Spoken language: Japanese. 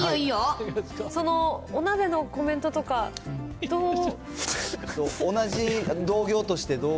そのお鍋のコメントとか、どう？